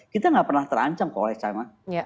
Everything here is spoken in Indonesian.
kita nggak pernah terancam kok oleh china